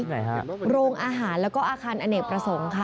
ไหนฮะโรงอาหารแล้วก็อาคารอเนกประสงค์ค่ะ